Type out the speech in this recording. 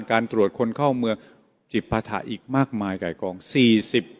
การตรวจคนเข้าเมืองจิตพาถะอีกมากมายไก่กองสี่สิบ